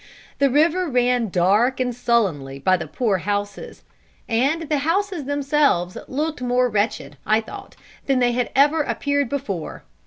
The river ran dark and sullenly by the poor houses; and the houses themselves looked more wretched, I thought, than they had ever appeared before.